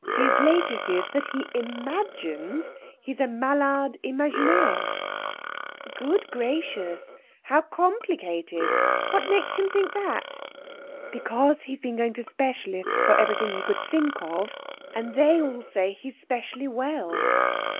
His latest is that he imagines he's a malade imaginaire!' 'Good gracious, how complicated! What makes him think that?' 'Because he's been going to specialists for everything he could think of, and they all say he's specially well.